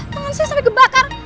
tangan saya sampe kebakar